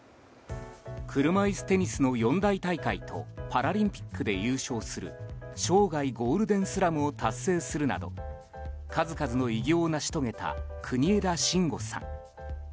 車いすテニスの四大大会とパラリンピックで優勝する生涯ゴールデンスラムを達成するなど数々の偉業を成し遂げた国枝慎吾さん。